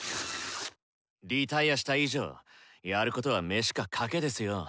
リタイアした以上やることは飯か賭けですよ。